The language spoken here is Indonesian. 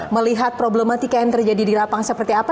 melihat problematika yang terjadi di lapangan seperti apa